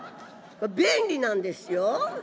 便利なんですよねえ。